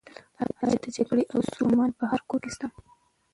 ایا د جګړې او سولې رومان په هر کور کې شته؟